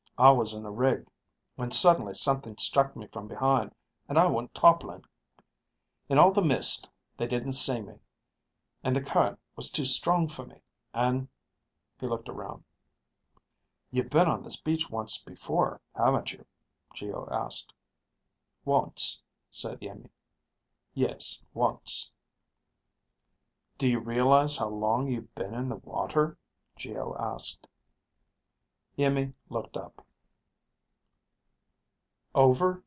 "I was in the rig when suddenly something struck me from behind and I went toppling. In all the mist, they didn't see me, and the current was too strong for me, and ..." He looked around. "You've been on this beach once before, haven't you?" Geo asked. "Once," said Iimmi. "Yes, once." "Do you realize how long you've been in the water?" Geo asked. Iimmi looked up.